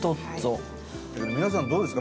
伊達：皆さん、どうですか？